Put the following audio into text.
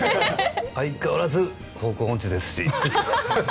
相変わらず方向音痴です。